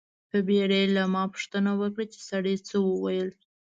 په بیړه یې له ما نه پوښتنه وکړه چې سړي څه و ویل.